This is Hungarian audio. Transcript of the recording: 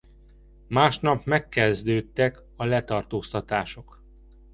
Másnap megkezdődtek a letartóztatások.